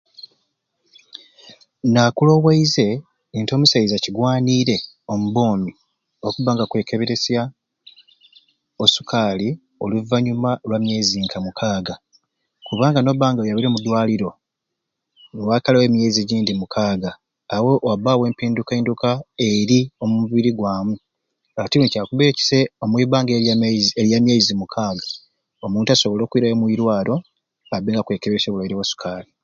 Nakuloweize nti omusaiza kigwaniire omu bwoomi okubba nga akwekeberesya o sukaali oluvanyuma lwa myezi ka mukaaga kubanga nobba nga oyabire mu ddwaliro niwaakalawo emyezi egindi mukaaga awo wabbaawo empindukainduka eri omubiri gwamu ati ni kyakubaire kisai omwibbbanga eryo erya myeezi rya myeezi omukaaga omuntu asobole okwirayo omwirwaro abbe nga akwekeberesya obulwaire bwa sukaali.